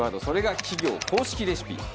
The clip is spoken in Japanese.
それが「企業公式レシピ」。